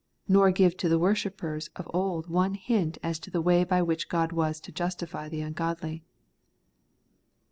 nor give to the worshippers of old one hint as to the way by which God was to justify the ungodly.